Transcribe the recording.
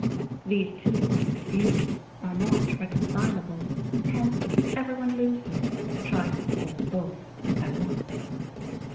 These two points of view are not reconcilable; hence everyone loses who tries to hold to both at once.